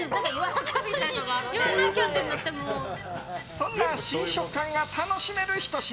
そんな新食感が楽しめるひと品。